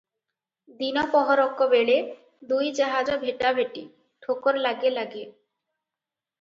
ଦିନ ପହରକବେଳେ ଦୁଇ ଜାହାଜ ଭେଟାଭେଟି, ଠୋକର ଲାଗେ ଲାଗେ ।"